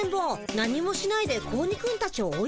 何もしないで子鬼くんたちを追いはらったよ。